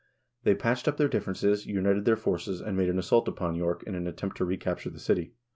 They patched up their differences, united their forces, and made an assault upon York in an attempt to recapture the city.